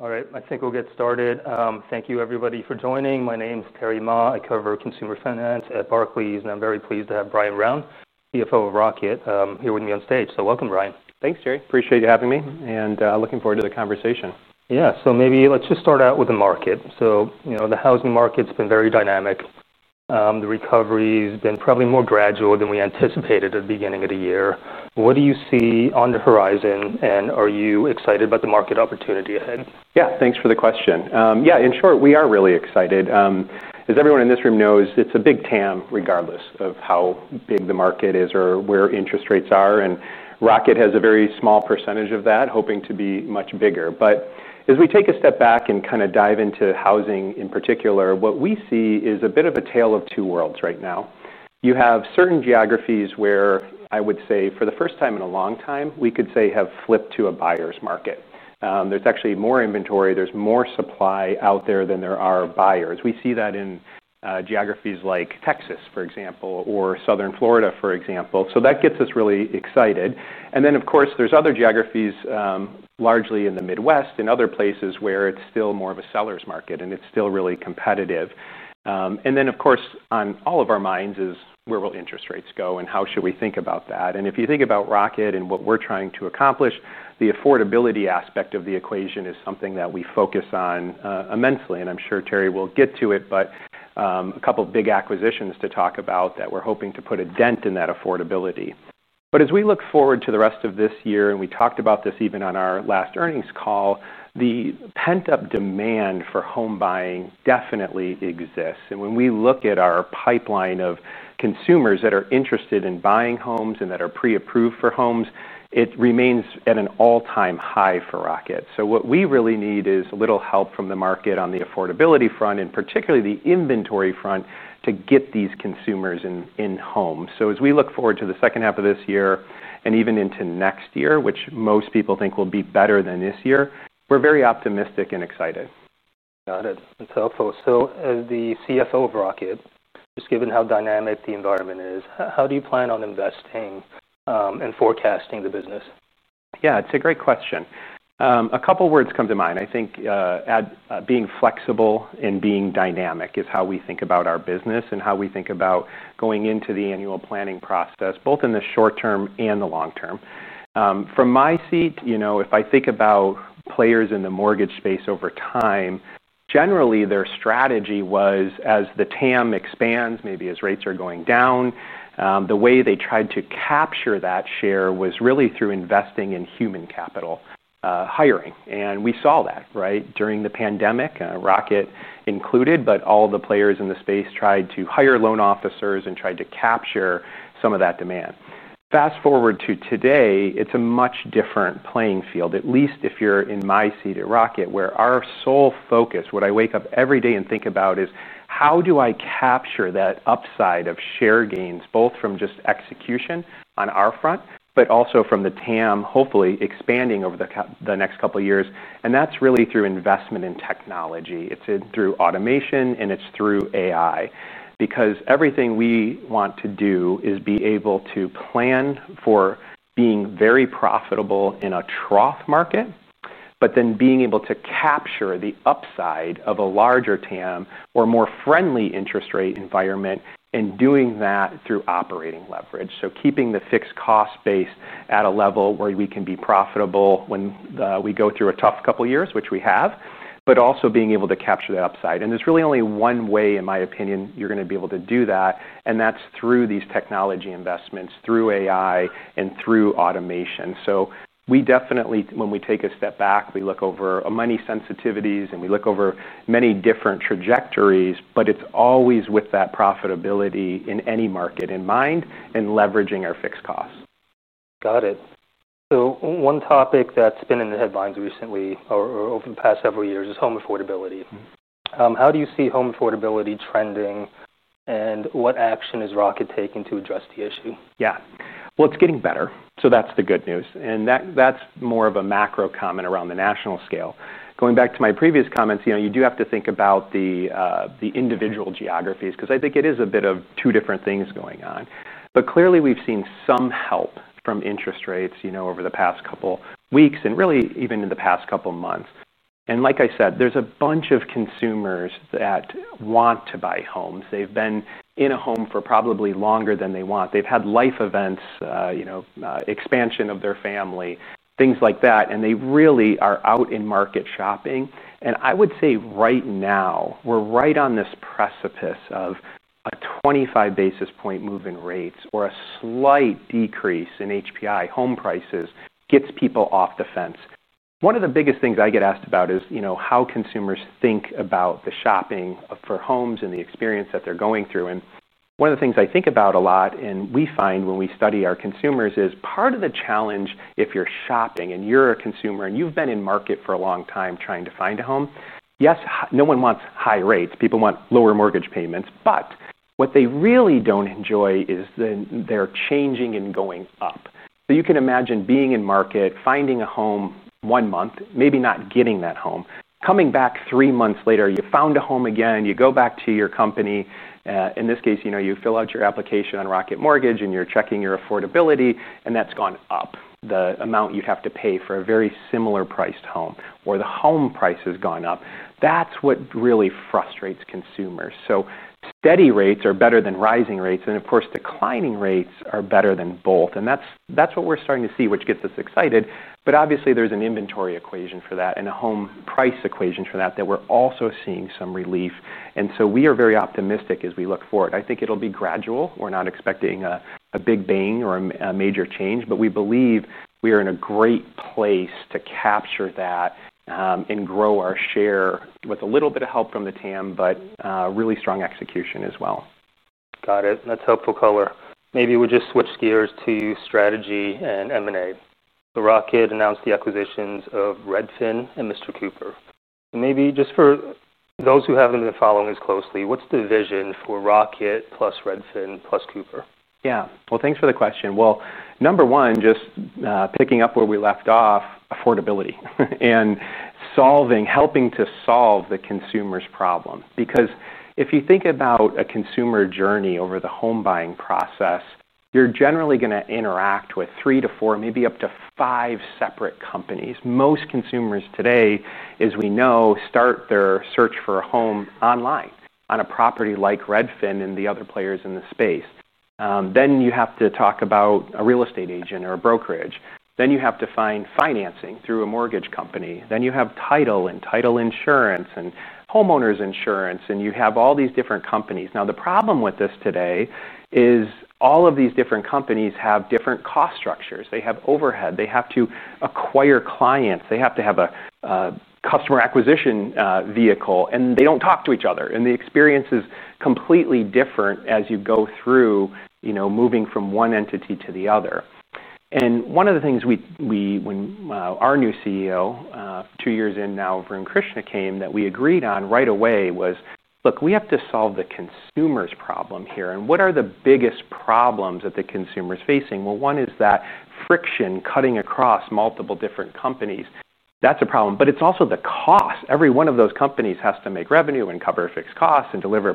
All right, I think we'll get started. Thank you, everybody, for joining. My name is Terry Ma. I cover consumer finance at Barclays, and I'm very pleased to have Brian Brown, CFO of Rocket, here with me on stage. Welcome, Brian. Thanks, Terry. Appreciate you having me and looking forward to the conversation. Maybe let's just start out with the market. The housing market's been very dynamic. The recovery's been probably more gradual than we anticipated at the beginning of the year. What do you see on the horizon, and are you excited about the market opportunity ahead? Yeah, thanks for the question. In short, we are really excited. As everyone in this room knows, it's a big TAM regardless of how big the market is or where interest rates are, and Rocket has a very small percentage of that, hoping to be much bigger. As we take a step back and kind of dive into housing in particular, what we see is a bit of a tale of two worlds right now. You have certain geographies where, I would say, for the first time in a long time, we could say have flipped to a buyer's market. There's actually more inventory, there's more supply out there than there are buyers. We see that in geographies like Texas, for example, or Southern Florida, for example. That gets us really excited. Of course, there's other geographies, largely in the Midwest and other places where it's still more of a seller's market, and it's still really competitive. Of course, on all of our minds is where will interest rates go, and how should we think about that? If you think about Rocket and what we're trying to accomplish, the affordability aspect of the equation is something that we focus on immensely, and I'm sure Terry will get to it, but a couple of big acquisitions to talk about that we're hoping to put a dent in that affordability. As we look forward to the rest of this year, and we talked about this even on our last Earnings Call, the pent-up demand for home buying definitely exists. When we look at our pipeline of consumers that are interested in buying homes and that are pre-approved for homes, it remains at an all-time high for Rocket. What we really need is a little help from the market on the affordability front, and particularly the inventory front, to get these consumers in homes. As we look forward to the second half of this year, and even into next year, which most people think will be better than this year, we're very optimistic and excited. Got it. That's helpful. As the CFO of Rocket , just given how dynamic the environment is, how do you plan on investing and forecasting the business? Yeah, it's a great question. A couple of words come to mind. I think being flexible and being dynamic is how we think about our business and how we think about going into the annual planning process, both in the short term and the long term. From my seat, if I think about players in the mortgage space over time, generally their strategy was, as the TAM expands, maybe as rates are going down, the way they tried to capture that share was really through investing in human capital hiring. We saw that, right, during the pandemic, Rocket included, but all the players in the space tried to hire loan officers and tried to capture some of that demand. Fast forward to today, it's a much different playing field, at least if you're in my seat at Rocket, where our sole focus, what I wake up every day and think about, is how do I capture that upside of share gains, both from just execution on our front, but also from the TAM, hopefully expanding over the next couple of years. That's really through investment in technology. It's through automation, and it's through AI, because everything we want to do is be able to plan for being very profitable in a trough market, but then being able to capture the upside of a larger TAM or more friendly interest rate environment, and doing that through operating leverage. Keeping the fixed cost base at a level where we can be profitable when we go through a tough couple of years, which we have, but also being able to capture that upside. There's really only one way, in my opinion, you're going to be able to do that, and that's through these technology investments, through AI, and through automation. We definitely, when we take a step back, we look over money sensitivities, and we look over many different trajectories, but it's always with that profitability in any market in mind and leveraging our fixed costs. Got it. One topic that's been in the headlines recently, or over the past several years, is home affordability. How do you see home affordability trending, and what action is Rocket taking to address the issue? Yeah, it's getting better, so that's the good news. That's more of a macro comment around the national scale. Going back to my previous comments, you do have to think about the individual geographies, because I think it is a bit of two different things going on. Clearly, we've seen some help from interest rates over the past couple of weeks, and really even in the past couple of months. Like I said, there's a bunch of consumers that want to buy homes. They've been in a home for probably longer than they want. They've had life events, expansion of their family, things like that. They really are out in market shopping. I would say right now, we're right on this precipice of a 25 basis point move in rates or a slight decrease in HPI home prices gets people off the fence. One of the biggest things I get asked about is how consumers think about shopping for homes and the experience that they're going through. One of the things I think about a lot, and we find when we study our consumers, is part of the challenge. If you're shopping and you're a consumer and you've been in market for a long time trying to find a home, yes, no one wants high rates. People want lower mortgage payments. What they really don't enjoy is they're changing and going up. You can imagine being in market, finding a home one month, maybe not getting that home. Coming back three months later, you found a home again, you go back to your company. In this case, you fill out your application on Rocket Mortgage, and you're checking your affordability, and that's gone up, the amount you'd have to pay for a very similar-priced home, or the home price has gone up. That's what really frustrates consumers. Steady rates are better than rising rates, and of course, declining rates are better than both. That's what we're starting to see, which gets us excited. Obviously, there's an inventory equation for that and a home price equation for that that we're also seeing some relief. We are very optimistic as we look forward. I think it'll be gradual. We're not expecting a big bang or a major change, but we believe we are in a great place to capture that and grow our share with a little bit of help from the TAM, but really strong execution as well. Got it. That's helpful color. Maybe we'll just switch gears to strategy and M&A. Rocket announced the acquisitions of Redfin and Mr. Cooper. Maybe just for those who haven't b een following this closely, what's the vision for Rocket plus Redfin plus Cooper? Yeah, thanks for the question. Number one, just picking up where we left off, affordability and helping to solve the consumer's problem. If you think about a consumer journey over the home buying process, you're generally going to interact with three to four, maybe up to five separate companies. Most consumers today, as we know, start their search for a home online on a property like Redfin and the other players in the space. You have to talk about a real estate agent or a brokerage. You have to find financing through a mortgage company. Then you have title and title insurance and homeowners insurance, and you have all these different companies. The problem with this today is all of these different companies have different cost structures. They have overhead. They have to acquire clients. They have to have a customer acquisition vehicle, and they don't talk to each other. The experience is completely different as you go through, moving from one entity to the other. One of the things we, when our new CEO, two years in now, Varun Krishna, came, that we agreed on right away was, look, we have to solve the consumer's problem here. What are the biggest problems that the consumer's facing? One is that friction cutting across multiple different companies. That's a problem. It's also the cost. Every one of those companies has to make revenue and cover fixed costs and deliver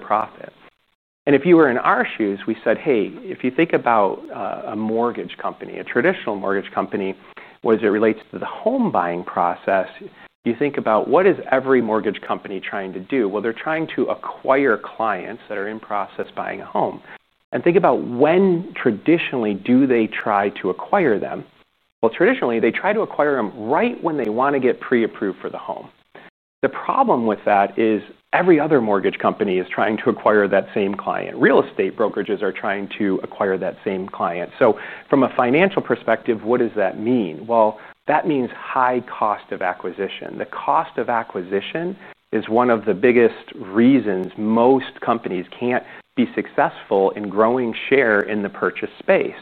profit. If you were in our shoes, we said, hey, if you think about a mortgage company, a traditional mortgage company, as it relates to the home buying process, you think about what is every mortgage company trying to do? They're trying to acquire clients that are in process of buying a home. Think about when traditionally do they try to acquire them. Traditionally, they try to acquire them right when they want to get pre-approved for the home. The problem with that is every other mortgage company is trying to acquire that same client. Real estate brokerages are trying to acquire that same client. From a financial perspective, what does that mean? That means high cost of acquisition. The cost of acquisition is one of the biggest reasons most companies can't be successful in growing share in the purchase space.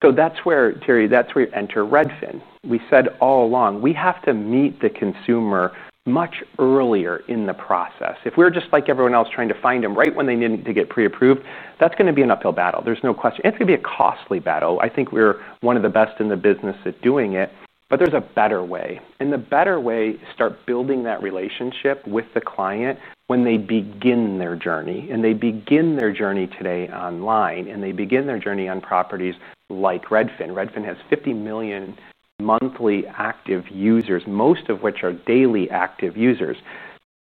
That's where, Terry, that's where you enter Redfin. We said all along, we have to meet the consumer much earlier in the process. If we're just like everyone else trying to find them right when they need to get pre-approved, that's going to be an uphill battle. There's no question. It's going to be a costly battle. I think we're one of the best in the business at doing it. There is a better way. The better way is to start building that relationship with the client when they begin their journey. They begin their journey today online, and they begin their journey on properties like Redfin. Redfin has 50 million monthly active users, m ost of which are daily active users.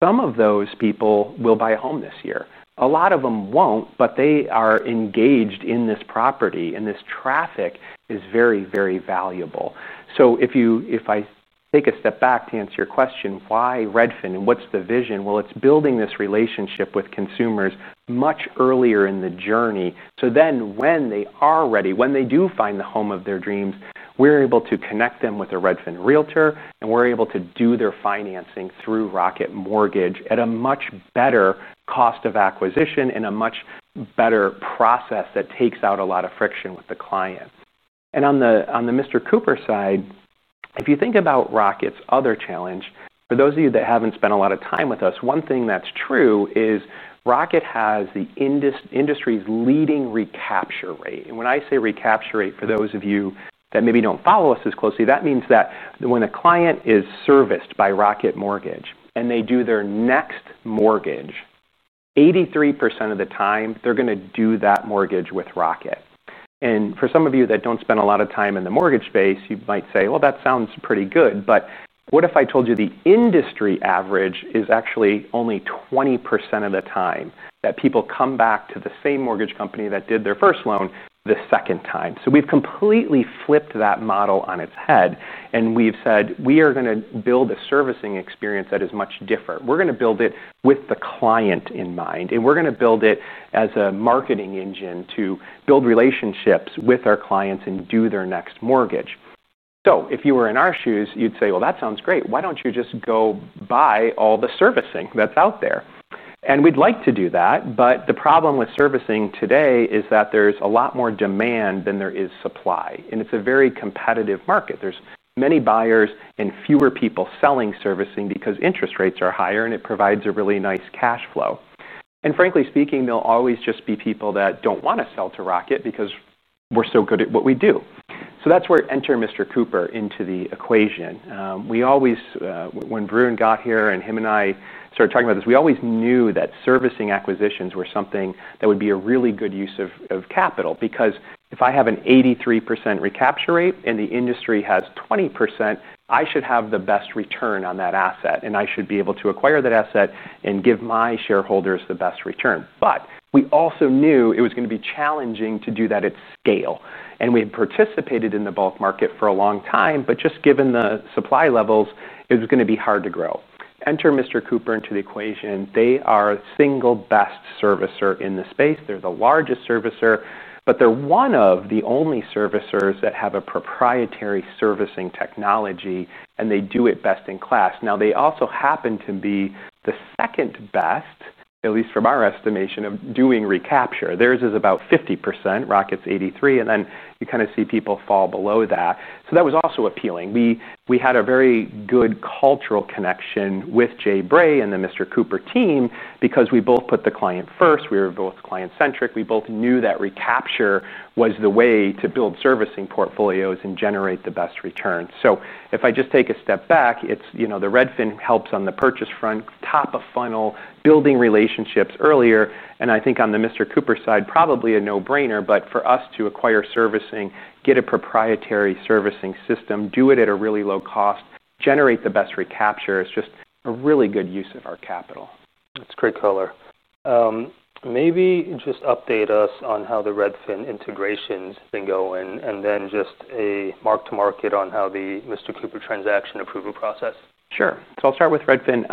Some of those people will buy a home this year. A lot of them won't, but they are engaged in this property, and this traffic is very, very valuable. If I take a step back to answer your question, why Redfin and what's the vision, it's building this relationship with consumers much earlier in the journey. When they are ready, when they do find the home of their dreams, we're able to connect them with a Redfin realtor, and we're able to do their financing through Rocket Mortgage at a much better cost of acquisition and a much better process that takes out a lot of friction with the client. On the Mr. Cooper side, if you think about Rocket's other challenge, for those of you that haven't spent a lot of time with us, one thing that's true is Rocket has the industry's leading recapture rate. When I say recapture rate, for those of you that maybe don't follow us as closely, that means that when a client is serviced by Rocket Mortgage and they do their next mortgage, 83% of the time, they're going to do that mortgage with Rocket. For some of you that don't spend a lot of time in the mortgage space, you might say that sounds pretty good. If I told you the industry average is actually only 20% of the time that people come back to the same mortgage company that did their first loan the second time, we've completely flipped that model on its head, and we've said we are going to build a servicing experience that is much different. We're going to build it with the client in mind, and we're going to build it as a marketing engine to build relationships with our clients and do their next mortgage. If you were in our shoes, you'd say that sounds great. Why don't you just go buy all the servicing that's out there? We'd like to do that, but the problem with servicing today is that there's a lot more demand than there is supply, and it's a very competitive market. There are many buyers and fewer people selling servicing because interest rates are higher, and it provides a really nice cash flow. Frankly speaking, there will always just be people that don't want to sell to Rocket because we're so good at what we do. That's where Mr. Cooper enters the equation. When Varun got here and he and I started talking about this, we always knew that servicing acquisitions were something that would be a really good use of capital. If I have an 83% recapture rate and the industry has 20%, I should have the best return on that asset, and I should be able to acquire that asset and give my shareholders the best return. We also knew it was going to be challenging to do that at scale. We had participated in the bulk market for a long time, but given the supply levels, it was going to be hard to grow. Mr. Cooper enters the equation. They are the single best servicer in the space. They're the largest servicer, but they're one of the only servicers that have a proprietary servicing technology, and they do it best in class. They also happen to be the second best, at least from our estimation, at doing recapture. Theirs is about 50%. Rocket's 83%, and then you kind of see people fall below that. That was also appealing. We had a very good cultural connection with Jay Bray and the Mr. Cooper team because we both put the client first. We were both client-centric. We both knew that recapture was the way to build servicing portfolios and generate the best return. If I just take a step back, Redfin helps on the purchase front, top of funnel, building relationships earlier. I think on the Mr. Cooper side, probably a no-brainer, but for us to acquire servicing, get a proprietary servicing system, do it at a really low cost, and generate the best recapture is just a really good use of our capital. That's a great color. Maybe just update us on how the Redfin integrations have been going, and then just a mark-to-market on how the Mr. Cooper transaction approval process. Sure. I'll start with Redfin.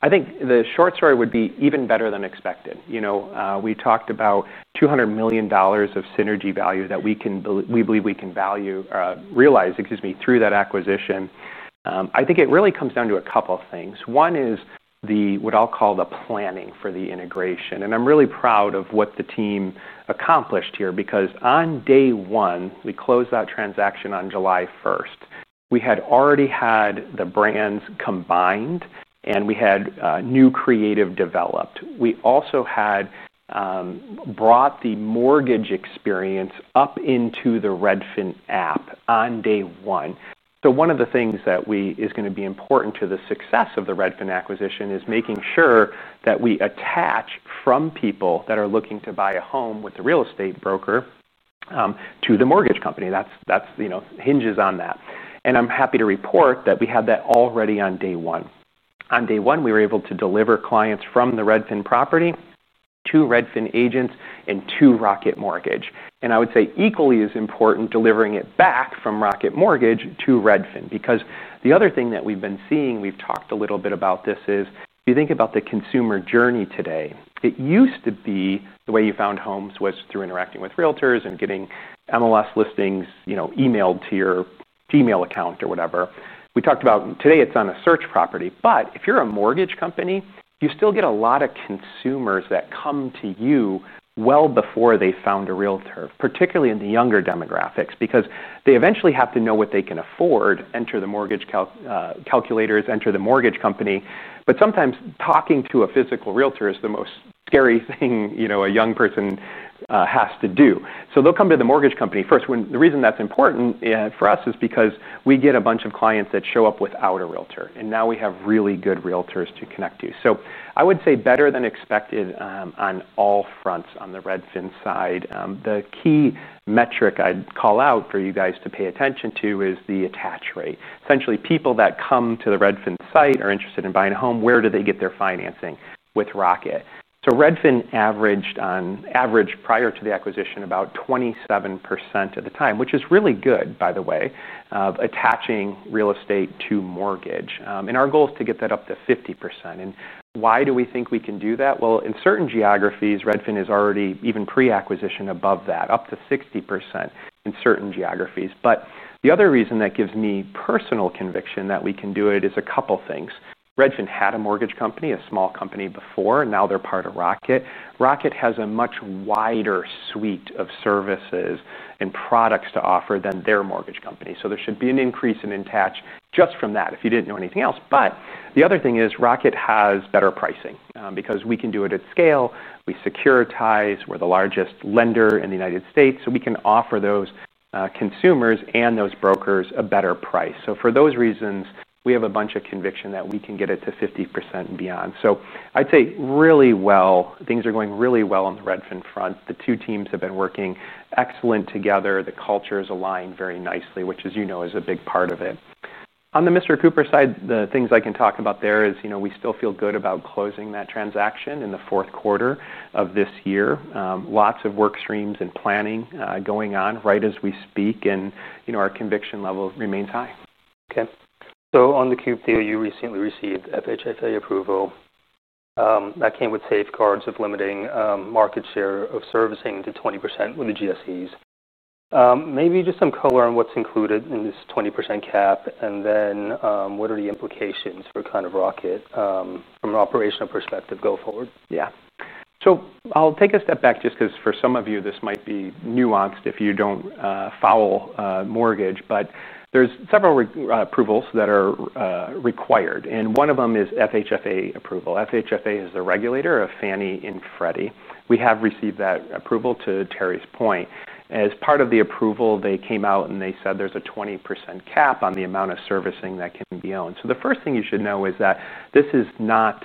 I think the short story would be even better than expected. We talked about $200 million of synergy value that we believe we can realize through that acquisition. I think it really comes down to a couple of things. One is what I'll call the planning for the integration. I'm really proud of what the team accomplished here because on day one, we closed that transaction on July 1st. We had already had the brands combined, and we had new creative developed. We also had brought the mortgage experience up into the Redfin app on day one. One of the things that is going to be important to the success of the Redfin acquisition is making sure that we attach from people that are looking to buy a home with the real estate broker to the mortgage company. That hinges on that. I'm happy to report that we had that already on day one. On day one, we were able to deliver clients from the Redfin property to Redfin agents and to Rocket Mortgage. I would say equally as important is delivering it back from Rocket Mortgage to Redfin because the other thing that we've been seeing, we've talked a little bit about this, is if you think about the consumer journey today, it used to be the way you found homes was through interacting with realtors and getting MLS listings emailed to your Gmail account or whatever. We talked about today it's on a search property, but if you're a mortgage company, you still get a lot of consumers that come to you well before they found a realtor, particularly in the younger demographics, because they eventually have to know what they can afford. Enter the mortgage calculators, enter the mortgage company, but sometimes talking to a physical realtor is the most scary thing a young person has to do. They'll come to the mortgage company first. The reason that's important for us is because we get a bunch of clients that show up without a realtor, and now we have really good realtors to connect to. I would say better than expected on all fronts on the Redfin side. The key metric I'd call out for you guys to pay attention to is the attach rate. Essentially, people that come to the Redfin site are interested in buying a home. Where do they get their financing with Rocket? Redfin averaged on average prior to the acquisition about 27% of the time, which is really good, by the way, of attaching real estate to mortgage. Our goal is to get that up to 50%. Why do we think we can do that? In certain geographies, Redfin is already even pre-acquisition above that, up to 60% in certain geographies. The other reason that gives me personal conviction that we can do it is a couple of things. Redfin had a mortgage company, a small company before, and now they're part of Rocket. Rocket has a much wider suite of services and products to offer than their mortgage company. There should be an increase in attach just from that if you didn't know anything else. Rocket has better pricing because we can do it at scale. We securitize. We're the largest lender in the United States. We can offer those consumers and those brokers a better price. For those reasons, we have a bunch of conviction that we can get it to 50% and beyond. I'd say really well. Things are going really well on the Redfin front. The two teams have been working excellently together. The culture is aligned very nicely, which, as you know, is a big part of it. On the Mr. Cooper side, the things I can talk about there is, you know, we still feel good about closing that transaction in the fourth quarter of this year. Lots of work streams and planning going on right as we speak, and our conviction level remains high. Okay. On the [Mr. Cooper] deal, you recently received FHFA approval that came with safeguards of limiting market share of servicing to 20% with the GSEs. Maybe just some color on what's included in this 20% cap, and then what are the implications for Rocket from an operational perspective going forward? Yeah. I'll take a step back just because for some of you, this might be nuanced if you don't follow mortgage, but there's several approvals that are required, and one of them is FHFA approval. FHFA is the regulator of Fannie and Freddie. We have received that approval to Terry's point. As part of the approval, they came out and they said there's a 20% cap on the amount of servicing that can be owned. The first thing you should know is that this is not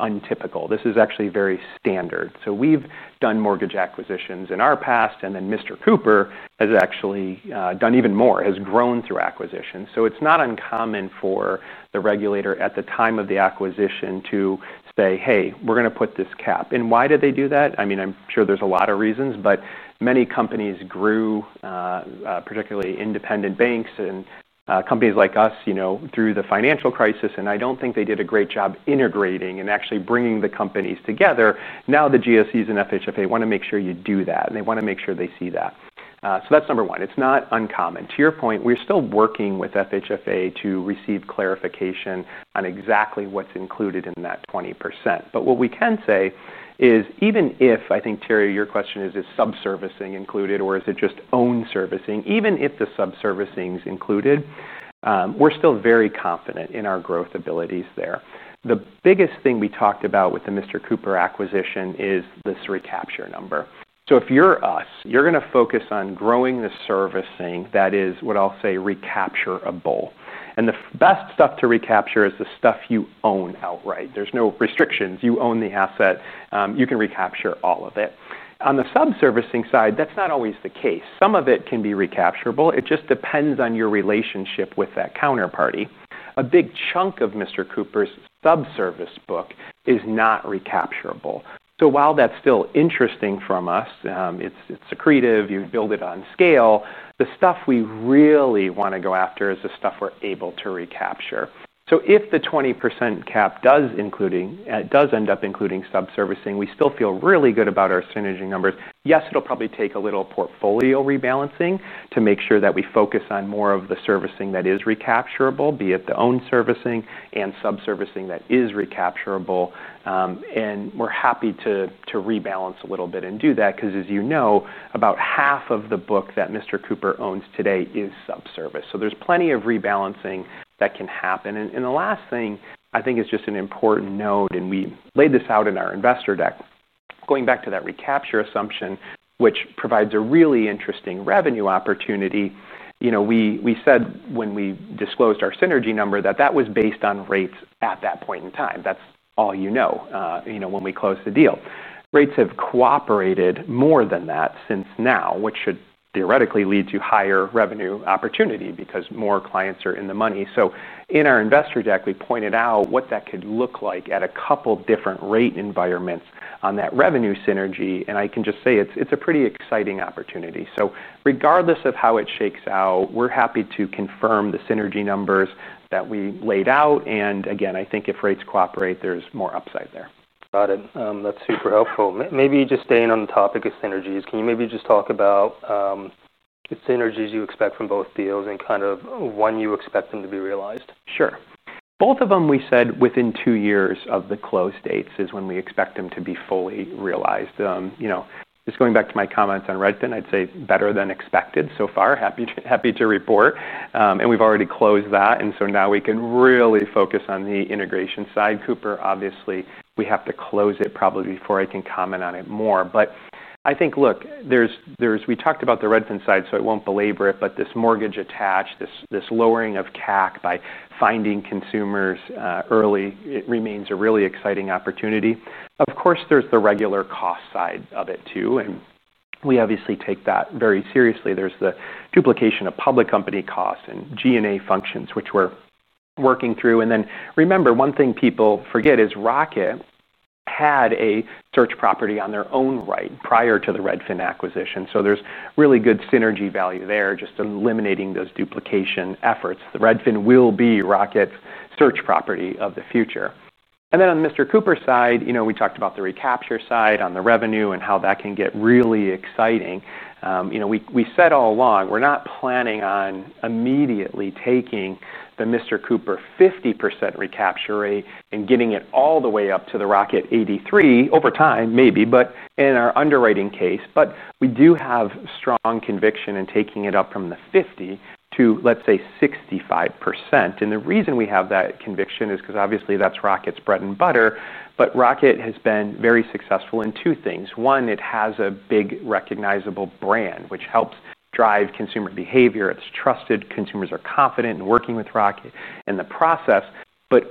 untypical. This is actually very standard. We've done mortgage acquisitions in our past, and Mr. Cooper has actually done even more, has grown through acquisitions. It's not uncommon for the regulator at the time of the acquisition to say, hey, we're going to put this cap. Why did they do that? I'm sure there's a lot of reasons, but many companies grew, particularly independent banks and companies like us, through the financial crisis, and I don't think they did a great job integrating and actually bringing the companies together. Now the GSEs and FHFA want to make sure you do that, and they want to make sure they see that. That's number one. It's not uncommon. To your point, we're still working with FHFA to receive clarification on exactly what's included in that 20%. What we can say is even if, I think, Terry, your question is, is sub-servicing included, or is it just owned servicing? Even if the sub-servicing is included, we're still very confident in our growth abilities there. The biggest thing we talked about with the Mr. Cooper acquisition is this recapture number. If you're us, you're going to focus on growing the servicing that is what I'll say recaptureable. The best stuff to recapture is the stuff you own outright. There's no restrictions. You own the asset. You can recapture all of it. On the sub-servicing side, that's not always the case. Some of it can be recaptureable. It just depends on your relationship with that counterparty. A big chunk of Mr. Cooper's sub-service book is not recaptureable. While that's still interesting from us, it's secretive. You build it on scale. The stuff we really want to go after is the stuff we're able to recapture. If the 20% cap does include, does end up including sub-servicing, we still feel really good about our synergy numbers. Yes, it'll probably take a little portfolio rebalancing to make sure that we focus on more of the servicing that is re-captureable, be it the owned servicing and sub-servicing that is re-captureable. We're happy to rebalance a little bit and do that because, as you know, about half of the book that Mr. Cooper owns today is sub-serviced. There's plenty of rebalancing that can happen. The last thing I think is just an important note, and we laid this out in our investor deck, going back to that recapture assumption, which provides a really interesting revenue opportunity. We said when we disclosed our synergy number that that was based on rates at that point in time. That's all you know. When we closed the deal, rates have cooperated more than that since now, which should theoretically lead to higher revenue opportunity because more clients are in the money. In our investor deck, we pointed out what that could look like at a couple of different rate environments on that revenue synergy, and I can just say it's a pretty exciting opportunity. Regardless of how it shakes out, we're happy to confirm the synergy numbers that we laid out. I think if rates cooperate, there's more upside there. Got it. That's super helpful. Maybe just staying on the topic of synergies, can you maybe just talk about the synergies you expect from both deals and kind of when you expect them to be realized? Sure. Both of them, we said, within two years of the close dates is when we expect them to be fully realized. Just going back to my comments on Redfin, I'd say better than expected so far. Happy to report. We've already closed that, so now we can really focus on the integration side. Cooper, obviously, we have to close it probably before I can comment on it more. I think, look, we talked about the Redfin side, so I won't belabor it, but this mortgage attach, this lowering of CAC by finding consumers early remains a really exciting opportunity. Of course, there's the regular cost side of it too. We obviously take that very seriously. There's the duplication of public company costs and G&A functions, which we're working through. Remember, one thing people forget is Rocket had a search property on their own right prior to the Redfin acquisition, so there's really good synergy value there, just eliminating those duplication efforts. Redfin will be Rocket's search property of the future. On the Mr. Cooper side, we talked about the recapture side on the revenue and how that can get really exciting. We said all along, we're not planning on immediately taking the Mr. Cooper 50% recapture rate and getting it all the way up to the Rocket 83%. Over time, maybe, but in our underwriting case. We do have strong conviction in taking it up from the 50% to, let's say, 65%. The reason we have that conviction is because obviously that's Rocket's bread and butter. Rocket has been very successful in two things. One, it has a big recognizable brand, which helps drive consumer behavior. It's trusted. Consumers are confident in working with Rocket and the process.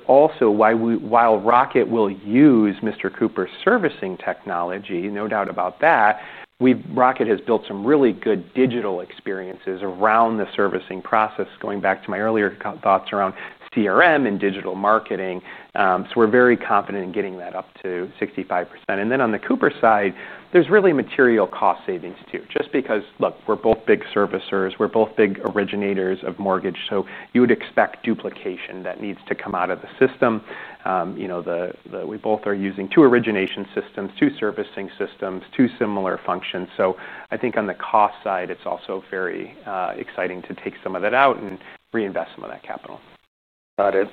Also, while Rocket will use Mr. Cooper's servicing technology, no doubt about that, Rocket has built some really good digital experiences around the servicing process, going back to my earlier thoughts around CRM and digital marketing. We're very confident in getting that up to 65%. On the Cooper side, there's really material cost savings too, just because we're both big servicers. We're both big originators of mortgage, so you would expect duplication that needs to come out of the system. We both are using two origination systems, two servicing systems, two similar functions. I think on the cost side, it's also very exciting to take some of that out and reinvest some of that capital. Got it.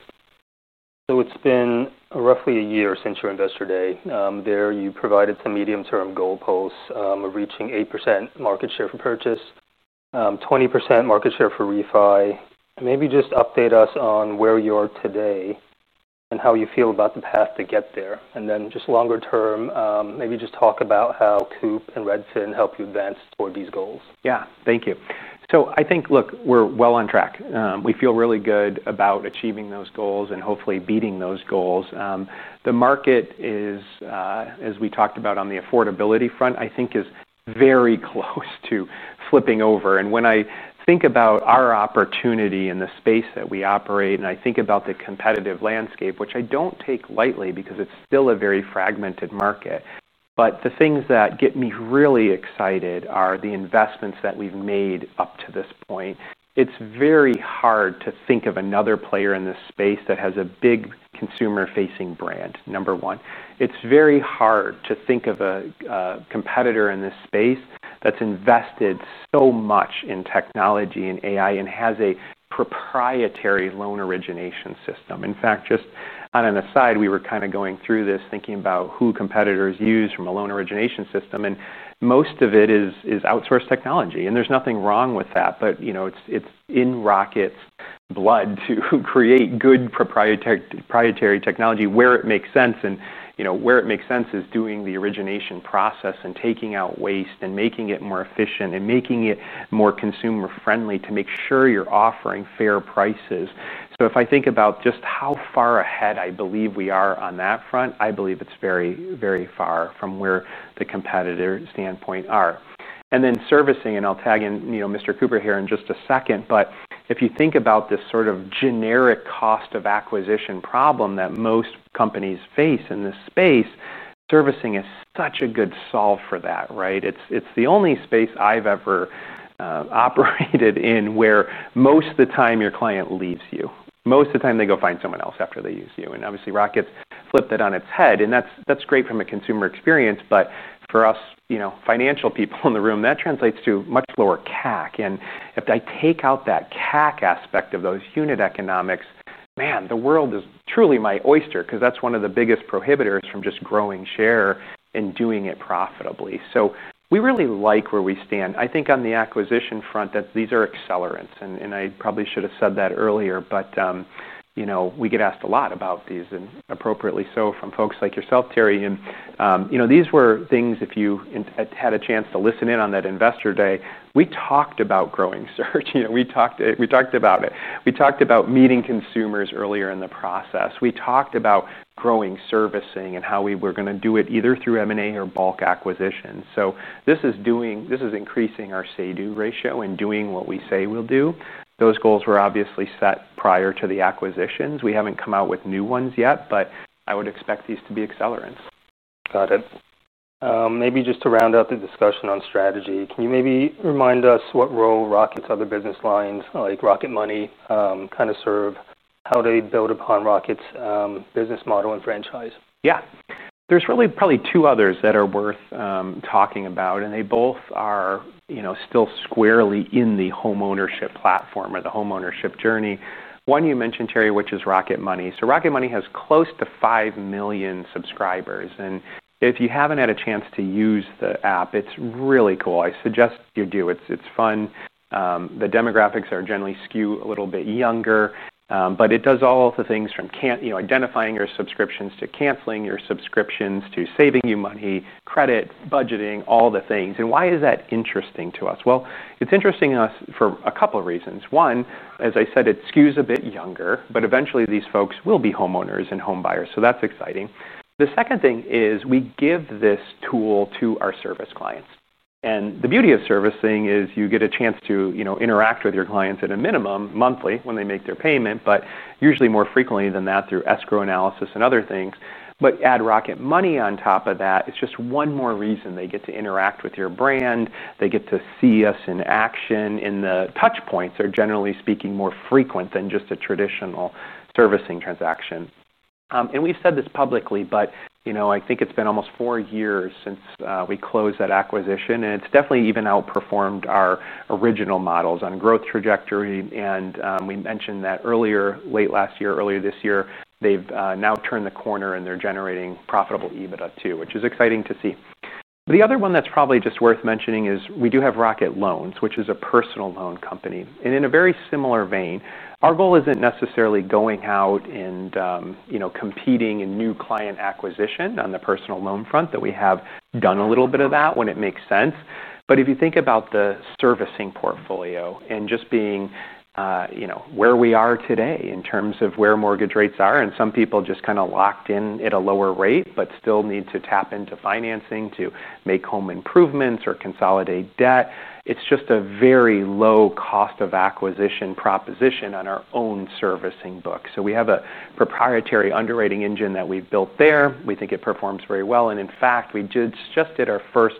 It's been roughly a year since your investor day. There, you provided some medium-term goalposts of reaching 8% market share for purchase, 20% market share for refi. Maybe just update us on where you are today and how you feel about the path to get there. Longer term, maybe just talk about how [ Coop] and Redfin help you advance toward these goals. Yeah, thank you. I think, look, we're well on track. We feel really good about achieving those goals and hopefully beating those goals. The market is, as we talked about on the affordability front, I think is very close to flipping over. When I think about our opportunity in the space that we operate, and I think about the competitive landscape, which I don't take lightly because it's still a very fragmented market, the things that get me really excited are the investments that we've made up to this point. It's very hard to think of another player in this space that has a big consumer-facing brand, number one. It's very hard to think of a competitor in this space that's invested so much in technology and AI and has a proprietary loan origination system. In fact, just on an aside, we were kind of going through this thinking about who competitors use from a loan origination system, and most of it is outsourced technology. There's nothing wrong with that, but you know, it's in Rocket's blood to create good proprietary technology where it makes sense. Where it makes sense is doing the origination process and taking out waste and making it more efficient and making it more consumer-friendly to make sure you're offering fair prices. If I think about just how far ahead I believe we are on that front, I believe it's very, very far from where the competitor standpoint are. Then servicing, and I'll tag in, you know, Mr. Cooper here in just a second, but if you think about this sort of generic cost of acquisition problem that most companies face in this space, servicing is such a good solve for that, right? It's the only space I've ever operated in where most of the time your client leaves you. Most of the time they go find someone else after they use you. Obviously, Rocket's flipped that on its head. That's great from a consumer experience, but for us, you know, financial people in the room, that translates to much lower CAC. If I take out that CAC aspect of those unit economics, man, the world is truly my oyster because that's one of the biggest prohibitors from just growing share and doing it profitably. We really like where we stand. I think on the acquisition front that these are accelerants, and I probably should have said that earlier, but you know, we get asked a lot about these, and appropriately so from folks like yourself, Terry. These were things, if you had a chance to listen in on that investor day, we talked about growing search. We talked about it. We talked about meeting consumers earlier in the process. We talked about growing servicing and how we were going to do it either through M&A or bulk acquisitions. This is increasing our say-do ratio and doing what we say we'll do. Those goals were obviously set prior to the acquisitions. We haven't come out with new ones yet, but I would expect these to be accelerants. Got it. Maybe just to round out the discussion on strategy, can you maybe remind us what role Rocket's other business lines like Rocket Money kind of serve? How do they build upon Rocket's business model and franchise? Yeah, there's really probably two others that are worth talking about, and they both are still squarely in the homeownership platform or the homeownership journey. One you mentioned, Terry, which is Rocket Money. Rocket Money has close to 5 million subscribers, and if you haven't had a chance to use the app, it's really cool. I suggest you do. It's fun. The demographics are generally skewed a little bit younger, but it does all the things from identifying your subscriptions to canceling your subscriptions to saving you money, credit, budgeting, all the things. Why is that interesting to us? It's interesting to us for a couple of reasons. One, as I said, it skews a bit younger, but eventually these folks will be homeowners and home buyers. That's exciting. The second thing is we give this tool to our service clients. The beauty of servicing is you get a chance to interact with your clients at a minimum monthly when they make their payment, but usually more frequently than that through escrow analysis and other things. Add Rocket Money on top of that. It's just one more reason they get to interact with your brand. They get to see us in action, and the touchpoints are generally speaking more frequent than just a traditional servicing transaction. We've said this publicly, but I think it's been almost four years since we closed that acquisition, and it's definitely even outperformed our original models on growth trajectory. We mentioned that earlier, late last year, earlier this year, they've now turned the corner and they're generating profitable EBITDA too, which is exciting to see. The other one that's probably just worth mentioning is we do have Rocket Loans, which is a personal loan company. In a very similar vein, our goal isn't necessarily going out and competing in new client acquisition on the personal loan front, that we have done a little bit of that when it makes sense. If you think about the servicing portfolio and just being where we are today in terms of where mortgage rates are, and some people just kind of locked in at a lower rate, but still need to tap into financing to make home improvements or consolidate debt, it's just a very low cost of acquisition proposition on our own servicing book. We have a proprietary underwriting engine that we've built there. We think it performs very well. In fact, we just did our first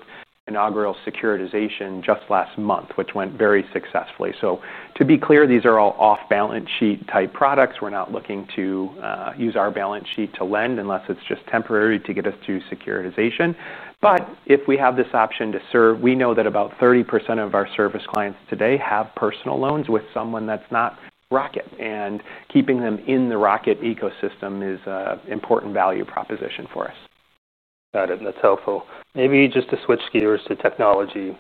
inaugural securitization just last month, which went very successfully. To be clear, these are all off-balance sheet type products. We're not looking to use our balance sheet to lend unless it's just temporary to get us through securitization. If we have this option to serve, we know that about 30% of our service clients today have personal loans with someone that's not Rocket. Keeping them in the Rocket ecosystem is an important value proposition for us. Got it. That's helpful. Maybe just to switch gears to technology.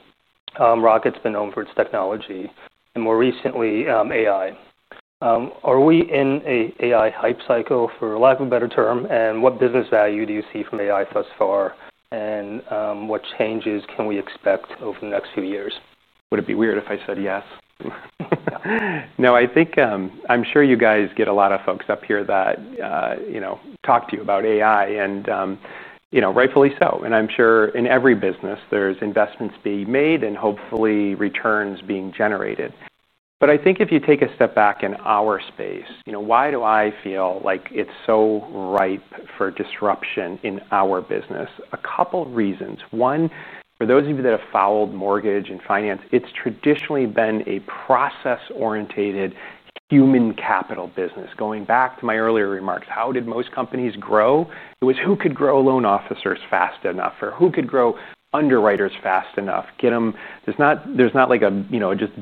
Rocket's been known for its technology, and more recently, AI. Are we in an AI hype cycle, for lack of a better term? What business value do you see from AI thus far? What changes can we expect over the next few years? Would it be weird if I said yes? No, I think I'm sure you guys get a lot of folks up here that talk to you about AI, and rightfully so. I'm sure in every business, there's investments being made and hopefully returns being generated. I think if you take a step back in our space, why do I feel like it's so ripe for disruption in our business? A couple of reasons. One, for those of you that have followed mortgage and finance, it's traditionally been a process-oriented human capital business. Going back to my earlier remarks, how did most companies grow? It was who could grow loan officers fast enough, or who could grow underwriters fast enough. There's not like a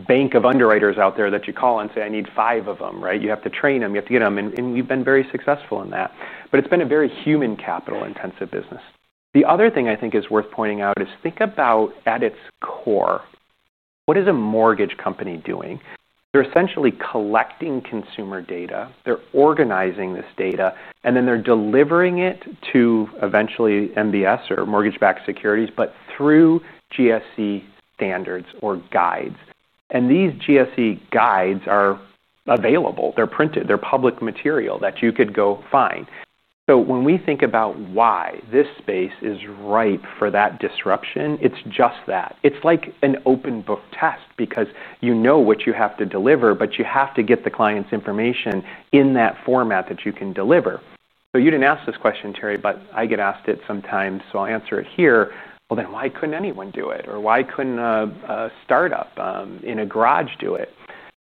bank of underwriters out there that you call and say, I need five of them, right? You have to train them. You have to get them. We've been very successful in that. It's been a very human capital-intensive business. The other thing I think is worth pointing out is think about at its core, what is a mortgage company doing? They're essentially collecting consumer data. They're organizing this data, and then they're delivering it to eventually MBS or mortgage-backed securities, but through GSE standards or guides. These GSE guides are available. They're printed. They're public material that you could go find. When we think about why this space is ripe for that disruption, it's just that. It's like an open book test because you know what you have to deliver, but you have to get the client's information in that format that you can deliver. You didn't ask this question, Terry, but I get asked it sometimes, so I'll answer it here. Why couldn't anyone do it? Or why couldn't a startup in a garage do it?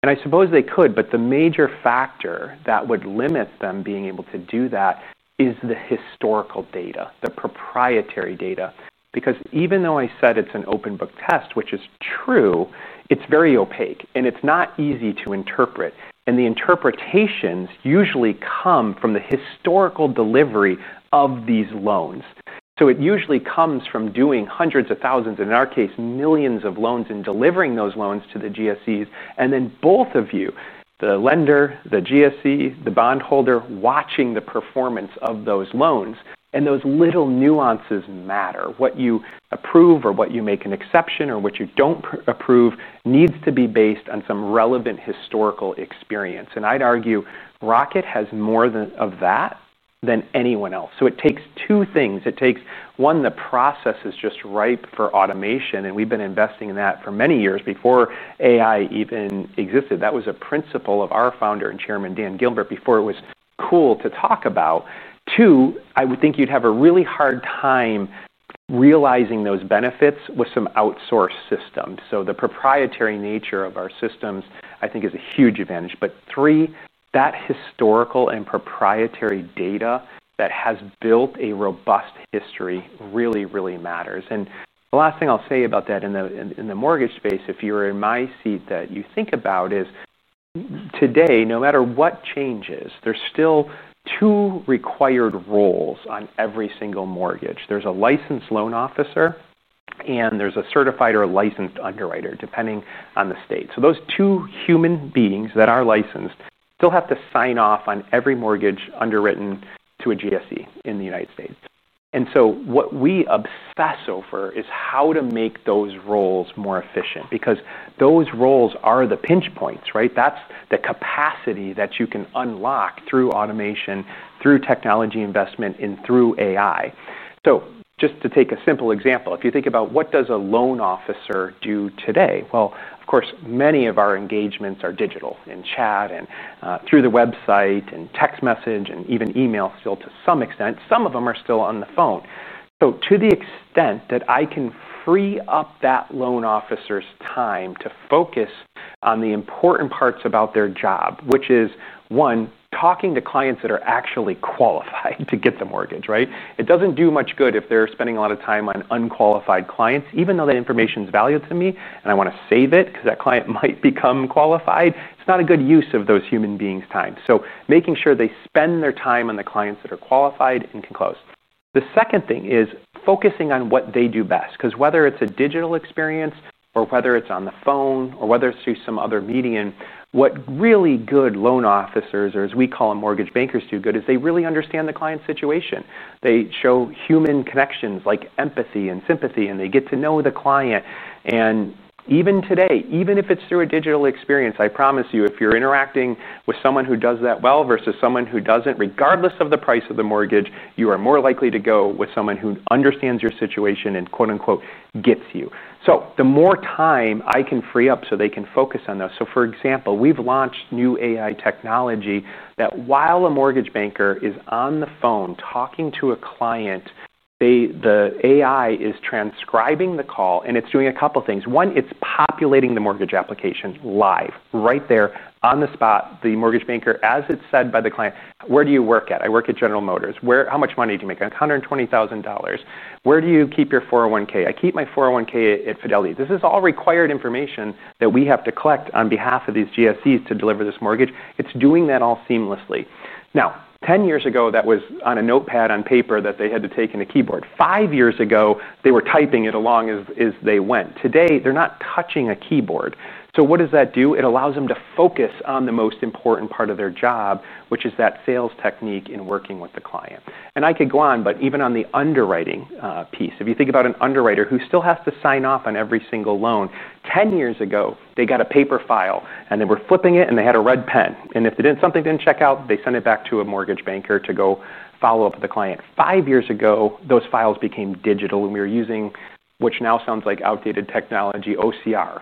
I suppose they could, but the major factor that would limit them being able to do that is the historical data, the proprietary data. Even though I said it's an open book test, which is true, it's very opaque, and it's not easy to interpret. The interpretations usually come from the historical delivery of these loans. It usually comes from doing hundreds of thousands, in our case, millions of loans and delivering those loans to the GSEs. Both of you, the lender, the GSE, the bondholder, are watching the performance of those loans, and those little nuances matter. What you approve or what you make an exception or what you don't approve needs to be based on some relevant historical experience. I'd argue Rocket has more of that than anyone else. It takes two things. One, the process is just ripe for automation, and we've been investing in that for many years before AI even existed. That was a principle of our Founder and Chairman, Daniel Gilbert, before it was cool to talk about. Two, I would think you'd have a really hard time realizing those benefits with some outsourced systems. The proprietary nature of our systems, I think, is a huge advantage. Three, that historical and proprietary data that has built a robust history really, really matters. The last thing I'll say about that in the mortgage space, if you were in my seat, that you think about is today, no matter what changes, there are still two required roles on every single mortgage. There's a licensed loan officer, and there's a certified or a licensed underwriter, depending on the state. Those two human beings that are licensed still have to sign off on every mortgage underwritten to a GSE in the United States. What we obsess over is how to make those roles more efficient because those roles are the pinch points, right? That's the capacity that you can unlock through automation, through technology investment, and through AI. Just to take a simple example, if you think about what a loan officer does today, of course, many of our engagements are digital and chat and through the website and text message and even email still to some extent. Some of them are still on the phone. To the extent that I can free up that loan officer's time to focus on the important parts about their job, which is, one, talking to clients that are actually qualified to get the mortgage, right? It doesn't do much good if they're spending a lot of time on unqualified clients, even though that information is valuable to me, and I want to save it because that client might become qualified. It's not a good use of those human beings' time. Making sure they spend their time on the clients that are qualified and can close. The second thing is focusing on what they do best, because whether it's a digital experience or whether it's on the phone or whether it's through some other medium, what really good loan officers, or as we call them, mortgage bankers, do well is they really understand the client's situation. They show human connections like empathy and sympathy, and they get to know the client. Even today, even if it's through a digital experience, I promise you, if you're interacting with someone who does that well versus someone who doesn't, regardless of the price of the mortgage, you are more likely to go with someone who understands your situation and quote unquote gets you. The more time I can free up so they can focus on those. For example, we've launched new AI technology that, while a mortgage banker is on the phone talking to a client, the AI is transcribing the call, and it's doing a couple of things. One, it's populating the mortgage application live, right there on the spot. The mortgage banker, as it's said by the client, where do you work at? I work at General Motors. How much money do you make? $120,000. Where do you keep your 401(k)? I keep my 401(k) at Fidelity. This is all required information that we have to collect on behalf of these GSEs to deliver this mortgage. It's doing that all seamlessly. Ten years ago, that was on a notepad on paper that they had to take in a keyboard. Five years ago, they were typing it along as they went. Today, they're not touching a keyboard. What does that do? It allows them to focus on the most important part of their job, which is that sales technique in working with the client. I could go on, but even on the underwriting piece, if you think about an underwriter who still has to sign off on every single loan, ten years ago, they got a paper file, and they were flipping it, and they had a red pen. If something didn't check out, they sent it back to a mortgage banker to go follow up with the client. Five years ago, those files became digital, and we were using, which now sounds like outdated technology, OCR.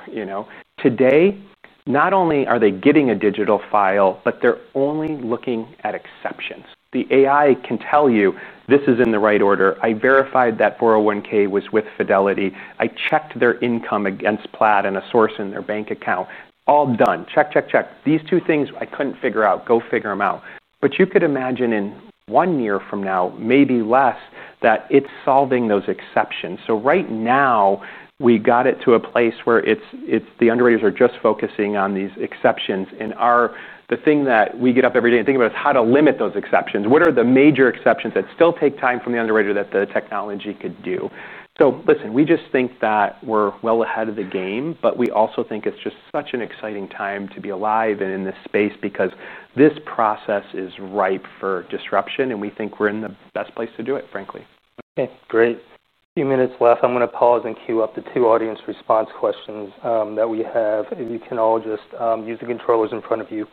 Today, not only are they getting a digital file, but they're only looking at exceptions. The AI can tell you, this is in the right order. I verified that 401(k) was with Fidelity. I checked their income against Plaid and a source in their bank account. All done. Check, check, check. These two things I couldn't figure out. Go figure them out. You could imagine in one year from now, maybe less, that it's solving those exceptions. Right now, we got it to a place where the underwriters are just focusing on these exceptions. The thing that we get up every day and think about is how to limit those exceptions. What are the major exceptions that still take time from the underwriter that the technology could do? We just think that we're well ahead of the game, but we also think it's just such an exciting time to be alive and in this space because this process is ripe for disruption, and we think we're in the best place to do it, frankly. Okay, great. A few minutes left. I'm going to pause and queue up the two audience response questions that we have. You can all just use the controllers in front of you.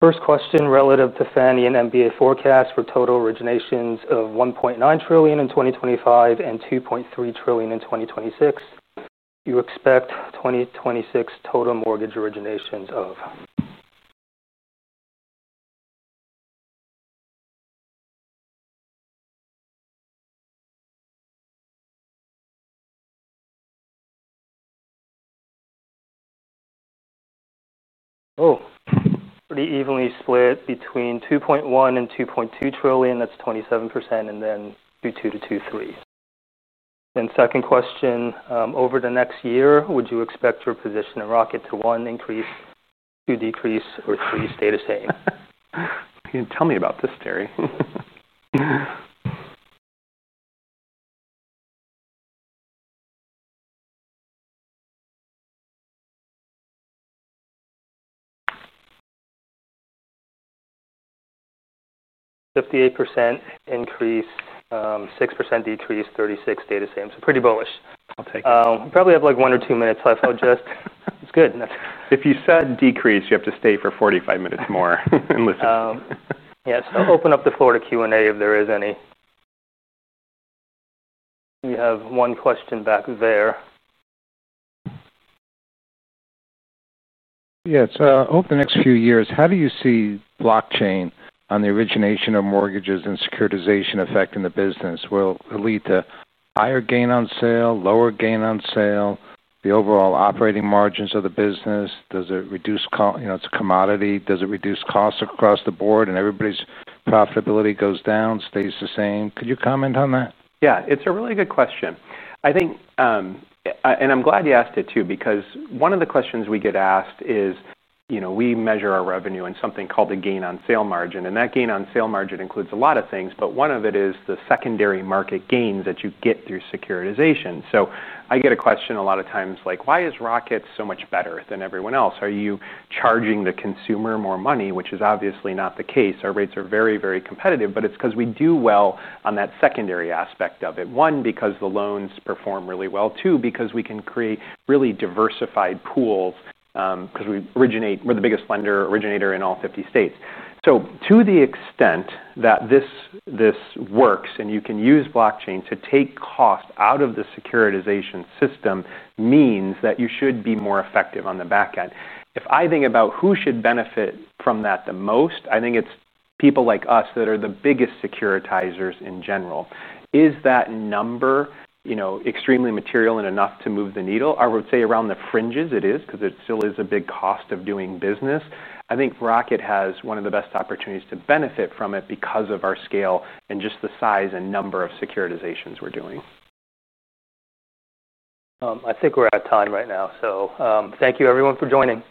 First question relative to Fannie and MBA forecast for total originations of $1.9 trillion in 2025 and $2.3 trillion in 2026. You expect 2026 total mortgage originations of, oh, pretty evenly split between $2.1 trillion and $2.2 trillion. That's 27%. And then [$2.2 trillion - $2.3 trillion]. Then second question, over the next year, would you expect your position in Rocket to one, increase, two, decrease, or three, stay the same? Tell me about this, Terry. 58% increase, 6% decrease, 36% stay the same. Pretty bullish. I'll take it. We probably have one or two minutes left. I'll just, it's good. If you said decrease, you have to stay for 45 minutes more. Yeah, open up the floor to Q&A if there is any. We have one question back there. Yeah, over the next few years, how do you see blockchain on the origination of mortgages and securitization affecting the business? Will it lead to higher gain on sale, lower gain on sale, the overall operating margins of the business? Does it reduce, you know, it's a commodity. Does it reduce costs across the board and everybody's profitability goes down, stays the same? Could you comment on that? Yeah, it's a really good question. I think, and I'm glad you asked it too, because one of the questions we get asked is, you know, we measure our revenue in something called a gain on sale margin. That gain on sale margin includes a lot of things, but one of it is the secondary market gains that you get through securitization. I get a question a lot of times, like, why is Rocket so much better than everyone else? Are you charging the consumer more money, which is obviously not the case? Our rates are very, very competitive, but it's because we do well on that secondary aspect of it. One, because the loans perform really well. Two, because we can create really diversified pools, because we originate, we're the biggest lender originator in all 50 States. To the extent that this works and you can use blockchain to take costs out of the securitization system means that you should be more effective on the back end. If I think about who should benefit from that the most, I think it's people like us that are the biggest securitizers in general. Is that number, you know, extremely material and enough to move the needle? I would say around the fringes it is, because it still is a big cost of doing business. I think Rocket has one of the best opportunities to benefit from it because of our scale and just the size and number of securitizations we're doing. I think we're out of time right now. Thank you everyone for joining.